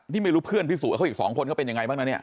นี่ไม่รู้เพื่อนพิสูจน์เขาอีก๒คนเขาเป็นยังไงบ้างนะเนี่ย